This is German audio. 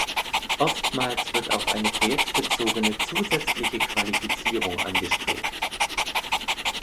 Oftmals wird auch eine projektbezogene zusätzliche Qualifizierung angestrebt.